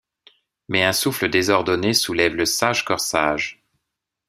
Mais un souffle désordonné soulève le sage corsage.